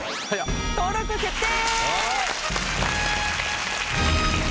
登録決定！